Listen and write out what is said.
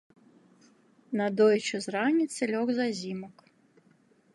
Надоечы з раніцы лёг зазімак.